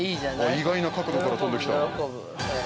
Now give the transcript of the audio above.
◆意外な角度から飛んできた。